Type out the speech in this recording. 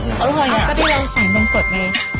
อร่อยอ้าวก็เพียงใส่นมสดไง